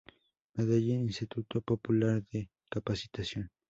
Medellín: Instituto Popular de Capacitación.